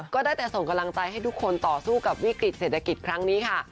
ก็ได้แต่ส่งกำลังใจให้ทุกคนต่อสู้กับวิกฤติเศรษฐกิจครั้งนี้ค่ะ